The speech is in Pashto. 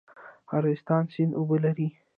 ارغستان سیند اوبه لري؟